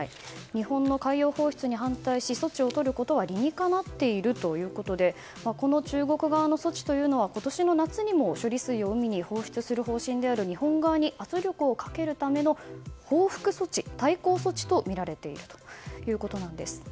日本の海洋放出に反対し措置をとることは理にかなっているということでこの中国側の措置というのは今年の夏にも、処理水を海に放出する方針である日本側に圧力をかけるための報復措置、対抗措置とみられているということです。